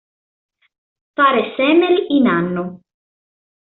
Fare semel in anno.